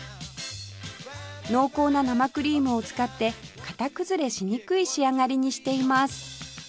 濃厚な生クリームを使って型崩れしにくい仕上がりにしています